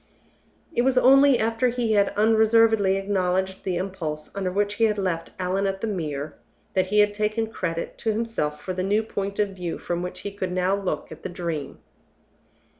It was only after he had unreservedly acknowledged the impulse under which he had left Allan at the Mere, that he had taken credit to himself for the new point of view from which he could now look at the Dream.